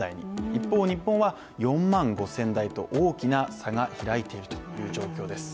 一方、日本は、４万５０００台と大きな差が開いているという状況です。